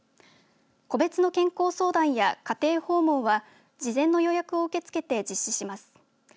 個別の健康相談や家庭訪問は事前の予約を受け付けて実施します。